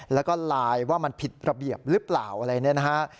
แล้วก็ลายว่ามันผิดระเบียบหรือเปล่าอะไรแบบนี้นะครับ